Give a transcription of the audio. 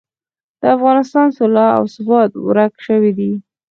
د افغانستان سوله او ثبات ورک شوي دي.